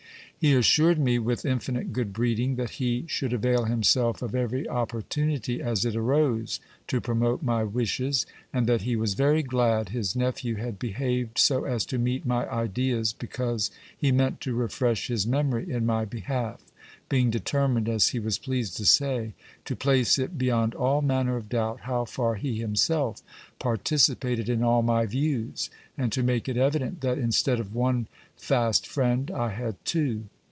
He assured me with infinite good breeding that he should avail himself of every opportunity as it arose to promote my wishes, and that he was very glad his nephew had behaved so as to meet my ideas, because he meant to refresh his memory in my behalf, being determined, as he was pleased to say, to place it beyond all manner of doubt how far he himself participated in all my views, and to make it evident that, instead of one fast friend, I had two.